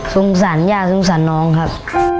สงสารย่าสงสารน้องครับ